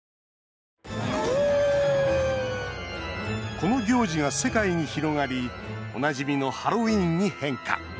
この行事が世界に広がりおなじみのハロウィーンに変化。